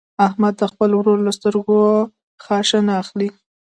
احمده د خپل ورور له سترګو خاشه نه اخلي.